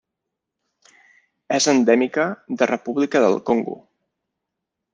És endèmica de República del Congo.